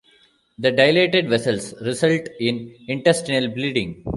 The dilated vessels result in intestinal bleeding.